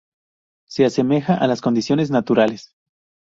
Se asemeja a las condiciones naturales.